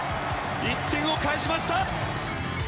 １点を返しました。